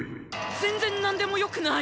全然何でもよくない！